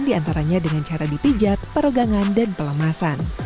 diantaranya dengan cara dipijat perogangan dan pelemasan